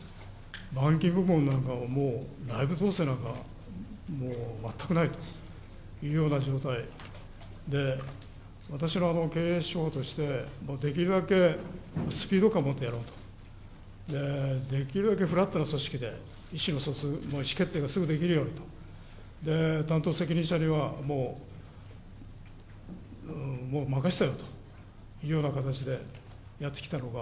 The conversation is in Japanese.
板金部門なんかはもん、内部統制なんかもう全くないというような状態で、私の経営手法として、できるだけスピード感を持ってやろうと、できるだけフラットな組織で、意思の疎通、意思決定がすぐにできるようにと、担当責任者にはもう任したよというような形でやってきたのが、